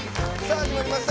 始まりました。